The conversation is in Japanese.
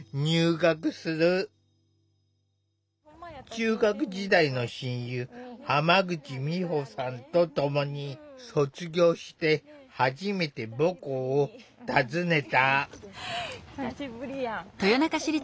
中学時代の親友浜口美保さんとともに卒業して初めて母校を訪ねた。